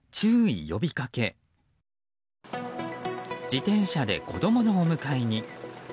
自転車で子供のお迎えに。